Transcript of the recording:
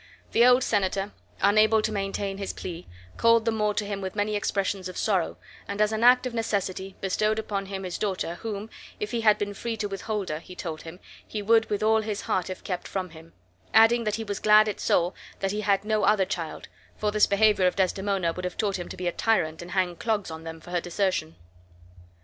The old senator, unable to maintain his plea, called the Moor to him with many expressions of sorrow, and, as an act of necessity, bestowed upon him his daughter, whom, if he had been free to withhold her (he told him), he would with all his heart have kept from him; adding that he was glad at soul that he had no other child, for this behavior of Desdemona would have taught him to be a tyrant and hang clogs on them for her desertion.